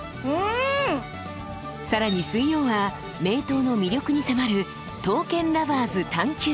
更に水曜は名刀の魅力に迫る「刀剣Ｌｏｖｅｒｓ探究」。